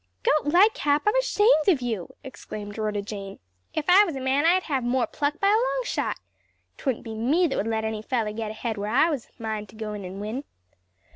"Gote Lightcap, I'm ashamed of you!" exclaimed Rhoda Jane. "If I was a man I'd have more pluck by a long shot. 'Twouldn't be me that would let any feller get ahead where I was amind to go in and win."